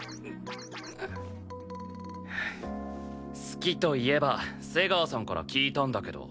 好きといえば瀬川さんから聞いたんだけど。